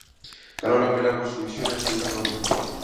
Ganó la pelea por sumisión en la segunda ronda.